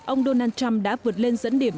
ông donald trump đã vượt lên dẫn điểm